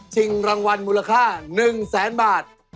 ชิงรางวัลมูลค่า๑๐๐๐๐๐บาท